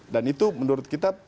dan itu menurut kita